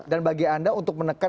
dan bagi anda untuk menekan